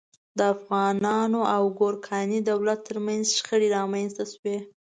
د افغانانو او ګورکاني دولت تر منځ شخړې رامنځته شوې.